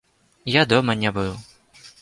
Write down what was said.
Я дома не быў.